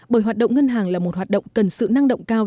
bởi hoạt động ngân hàng là một hoạt động cần sự năng động cao